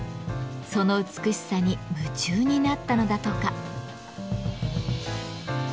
その美しさに夢中になったのだとか。